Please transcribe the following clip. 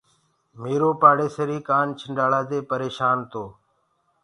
ميرو پآڙيسري ڪآنڇنڊݪآنٚ دي پريشآن تو۔